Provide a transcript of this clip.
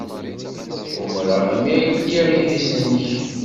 Umreɣ imi ay lliɣ s idis-nnek.